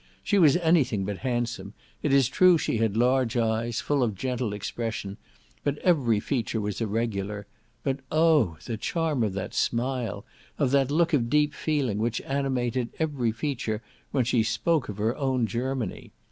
She was any thing but handsome; it is true she had large eyes, full of gentle expression, but every feature was irregular; but, oh! the charm of that smile, of that look of deep feeling which animated every feature when she spoke of her own Germany!